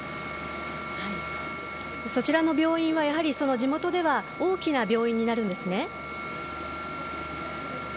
そちらの病院はやはり地元では大きな病院になるんですね。